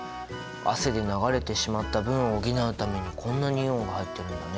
汗で流れてしまった分を補うためにこんなにイオンが入ってるんだね！